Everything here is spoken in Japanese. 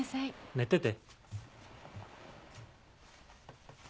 寝てて。